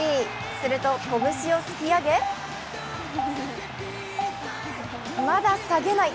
すると拳を突き上げまだ下げない。